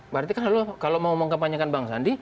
berarti kan kalau mau mengkampanyekan bang sandi